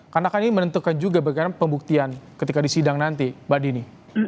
karena kan ini menentukan juga bagian pembuktian ketika disidang nanti mbak dini